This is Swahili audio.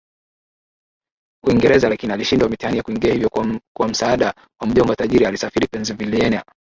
Uingereza lakini alishindwa mitihani ya kuingia Hivyo kwa msaada wa mjomba tajiri alisafiri Pennsylvania